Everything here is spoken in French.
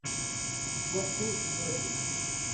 - Guarco, doge.